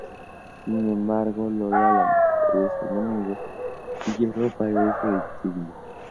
Sin embargo, "Lola", la mujer de su enemigo "Guillermo" aparece en su vida.